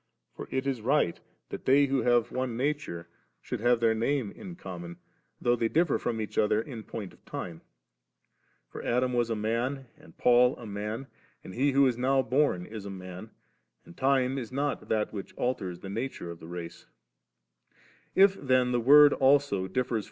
For it IS right, that they who have one nature, should have their name in common, though they differ from each other in point of time. For Adam was a man, and Paul a man, and he who is now born is a man, and time is not that which alters the nature of the race K If then the Word also differs from us only in time, then we must be as He.